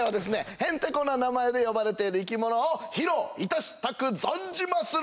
へんてこな名前で呼ばれている生き物を披露いたしたく存じまする！